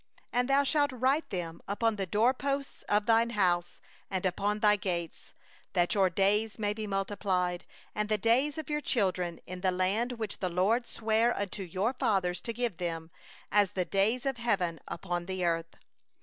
20And thou shalt write them upon the door posts of thy house, and upon thy gates; 21that your days may be multiplied, and the days of your children, upon the land which the LORD swore unto your fathers to give them, as the days of the heavens above the earth.